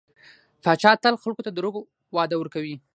پاچا تل خلکو ته دروغ وعده ورکوي .